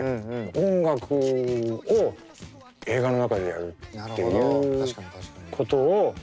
音楽を映画の中でやるっていうことをやりたくてね。